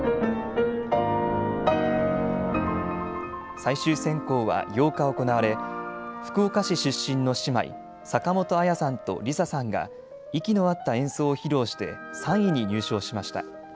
最終選考は８日行われ福岡市出身の姉妹、坂本彩さんとリサさんが息の合った演奏を披露して３位に入賞しました。